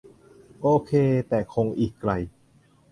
โอเค แต่คงอีกไกล